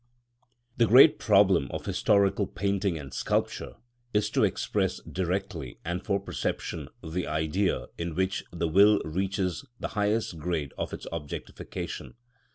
§ 45. The great problem of historical painting and sculpture is to express directly and for perception the Idea in which the will reaches the highest grade of its objectification.